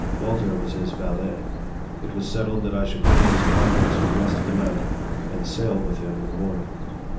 Walter was his valet. It was settled that I should go to his apartments for the rest of the night and sail with him in the morning.